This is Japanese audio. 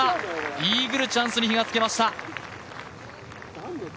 イーグルチャンスに比嘉、つけました。